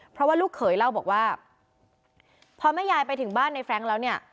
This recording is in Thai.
เพราะว่าลูกเขยเล่าบอกว่าพอแม่ยายไปถึงบ้านในแร้งแล้วเนี่ย